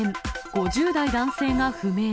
５０代男性が不明。